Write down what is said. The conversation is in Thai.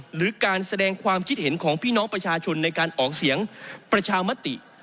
หรือการแสดงความคิดเห็นของพี่น้องประชาชนในการออกเสียงประชามติ